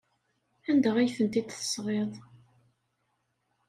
Anda ay tent-id-tesɣiḍ?